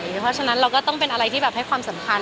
เพราะฉะนั้นเราก็ต้องเป็นอะไรที่แบบให้ความสำคัญ